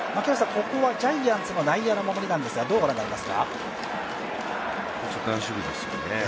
ここはジャイアンツの内野の守りですが、どうご覧になりますか？